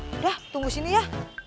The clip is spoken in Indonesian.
udah tunggu sini ya